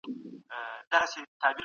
ټوله ورځ د جملو په اوريدلو بوخت يم.